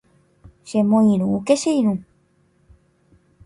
Chemoirũke che irũ